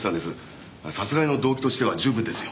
殺害の動機としては十分ですよ。